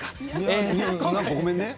ごめんね。